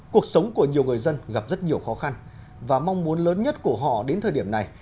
cuộc sống của nhiều người dân gặp rất nhiều khó khăn và mong muốn lớn nhất của họ đến thời điểm này